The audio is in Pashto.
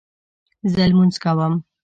زه لمونځ کوم